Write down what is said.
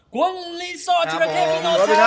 คุณลิสอธิราเทพิโนไชย